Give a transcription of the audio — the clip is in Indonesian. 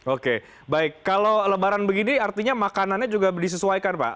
oke baik kalau lebaran begini artinya makanannya juga disesuaikan pak